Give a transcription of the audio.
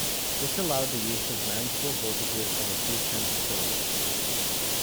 This allowed the use of manageable voltages of a few tens of kV.